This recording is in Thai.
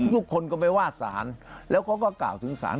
ทุกคนก็ไปว่าศาลแล้วเขาก็กล่าวถึงสาร